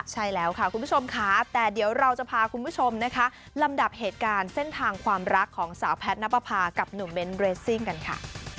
ใช่แล้วค่ะคุณผู้ชมค่ะแต่เดี๋ยวเราจะพาคุณผู้ชมนะคะลำดับเหตุการณ์เส้นทางความรักของสาวแพทย์นับประพากับหนุ่มเบ้นเรสซิ่งกันค่ะ